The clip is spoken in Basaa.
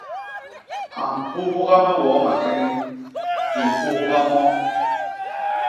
A mpugha me woo makeñi; di mpugha moo.